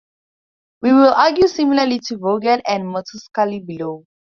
We will argue similarly to Vogel and Motulsky below.